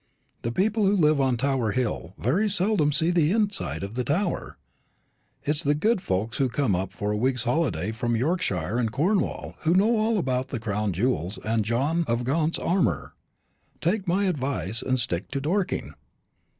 The people who live on Tower hill very seldom see the inside of the Tower. It's the good folks who come up for a week's holiday from Yorkshire and Cornwall who know all about the Crown jewels and John of Gaunt's armour. Take my advice, and stick to Dorking."